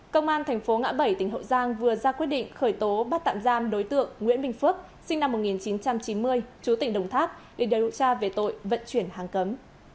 công an thành phố ngã bảy tỉnh hậu giang vừa ra quyết định khởi tố bắt tạm giam đối tượng nguyễn bình phước sinh năm một nghìn chín trăm chín mươi chú tỉnh đồng tháp để điều tra về tội vận chuyển hàng cấm